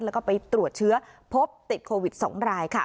แล้วก็ไปตรวจเชื้อพบติดโควิด๒รายค่ะ